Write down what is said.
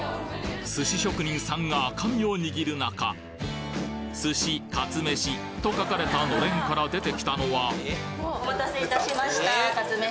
寿司職人さんが赤身を握る中すしかつめしと書かれた暖簾から出てきたのはお待たせいたしました。